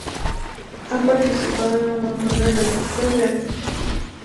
Ha participado en un montón de revistas de artistas.